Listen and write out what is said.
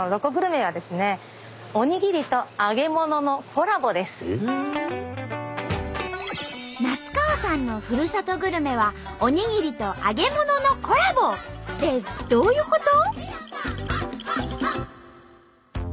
こちらですが夏川さんのふるさとグルメはおにぎりと揚げ物のコラボ！ってどういうこと？